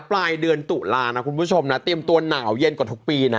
ปลายเดือนตุลานะคุณผู้ชมนะเตรียมตัวหนาวเย็นกว่าทุกปีนะ